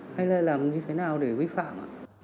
hay là làm như thế nào để vi phạm